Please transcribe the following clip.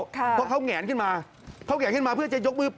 เพราะเขาแงนขึ้นมาเขาแงนขึ้นมาเพื่อจะยกมือ